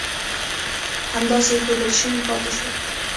همداسې اېښودل شوي پاتې شول.